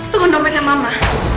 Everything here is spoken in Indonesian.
tuhan lo bernama mama